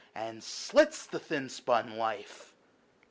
And slits the thin spun life.